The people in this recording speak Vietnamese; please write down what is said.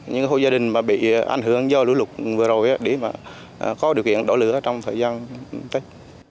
những hộ gia đình mà bị ảnh hưởng do lũ lục vừa rồi để mà có điều kiện đổ lửa trong thời gian tết